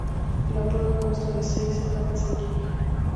La prueba constó de seis etapas en línea.